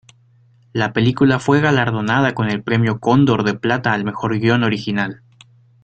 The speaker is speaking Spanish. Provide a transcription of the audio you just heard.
La película fue galardonada con el premio Cóndor de Plata al mejor guion original.